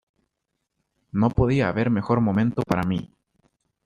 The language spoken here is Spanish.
No podía haber mejor momento para mí.